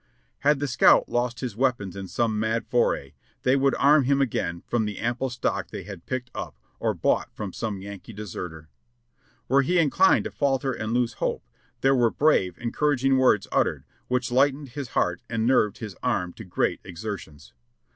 Had the scout lost his weapons in some mad foray, they would arm him again from the ample stock they had picked up or bought from some Yankee deserter. Were he inclined to falter and lose hope, there were brave, encouraging words uttered, which lightened his heart and nerved his arm to greater exer tions.